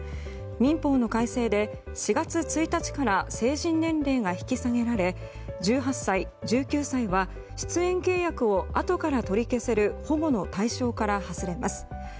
民法の改正で４月１日から成人年齢が引き下げられ１８歳、１９歳は出演契約をあとから取り消せる保護の対象から外れます。